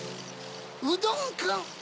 うどんくん！